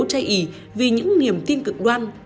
chay ý vì những niềm tin cực đoan